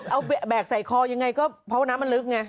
เอาแบกใส่คอยังไงก็เพราะว่าน้ำมันลึกไง